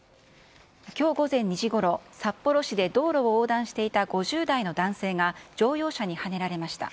きょう午前２時ごろ、札幌市で道路を横断していた５０代の男性が乗用車にはねられました。